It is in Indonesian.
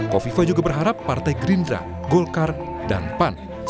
kofifa juga berharap partai gerindra golkar dan pan